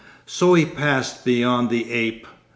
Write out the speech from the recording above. So he passed beyond the ape.